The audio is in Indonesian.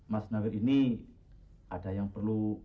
mas nawir ini ada yang perlu